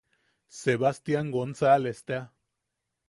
Sebajtian Gonsales tea.